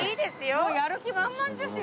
もうやる気満々ですよ。